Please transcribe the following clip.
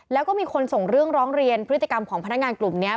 แล้วก็มีคนส่งเรื่องร้องเรียนพฤติกรรมของพนักงานกลุ่มนี้